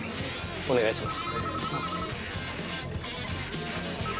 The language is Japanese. お願いします。